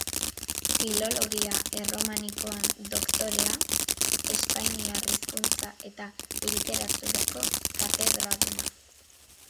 Filologia erromanikoan doktorea, Espainiar Hizkuntza eta Literaturako katedraduna.